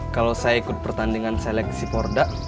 kalau saya ikut pertandingan seleksi porda